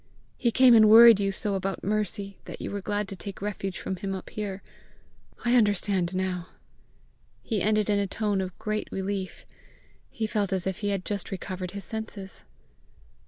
He came and worried you so about Mercy that you were glad to take refuge from him up here! I understand now!" He ended in a tone of great relief: he felt as if he had just recovered his senses.